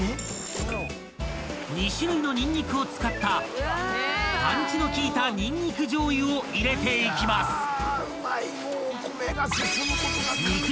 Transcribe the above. ［２種類のニンニクを使ったパンチの効いたニンニクじょうゆを入れていきます］